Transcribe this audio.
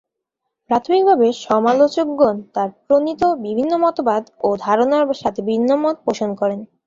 প্রাথমিকভাবে সমালোচকগণ তার প্রণীত বিভিন্ন মতবাদ ও ধারণার সাথে ভিন্নমত পোষণ করেন।